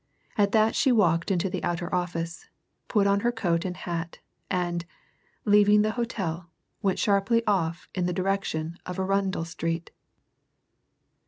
At that she walked into the outer office, put on her coat and hat, and, leaving the hotel, went sharply off in the direction of Arundel Street.